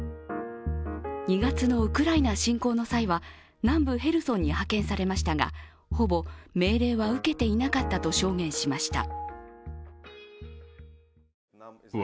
２月のウクライナ侵攻の際は南部ヘルソンに派遣されましたがほぼ命令を受けていなかったと証言しました。